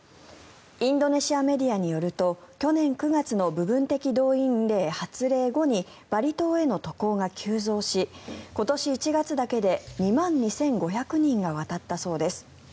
インドネシアメディアによると去年９月の部分的動員令発令後にバリ島への渡航が急増し今年１月だけで２万２５００人が渡ったそうです。